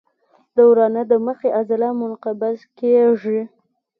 د ورانه د مخې عضله منقبض کېږي.